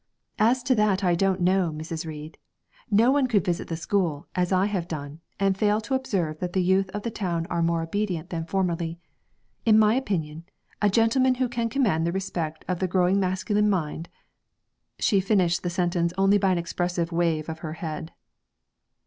'As to that I don't know, Mrs. Reid; no one could visit the school, as I have done, and fail to observe that the youth of the town are more obedient than formerly. In my opinion, a gentleman who can command the respect of the growing masculine mind ' She finished the sentence only by an expressive wave of her head.